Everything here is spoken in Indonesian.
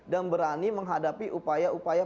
dan berani menghadapi upaya upaya